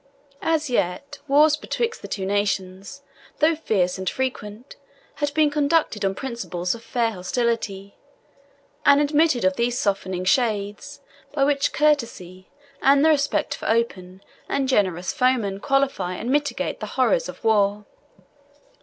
As yet, wars betwixt the two nations, though fierce and frequent, had been conducted on principles of fair hostility, and admitted of those softening shades by which courtesy and the respect for open and generous foemen qualify and mitigate the horrors of war.